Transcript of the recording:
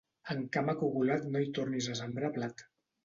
En camp acugulat no hi tornis a sembrar blat.